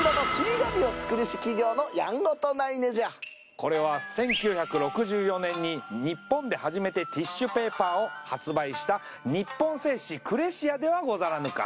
これは１９６４年に日本で初めてティッシュペーパーを発売した日本製紙クレシアではござらぬか。